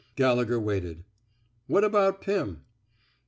Gallegher waited. What about Pim?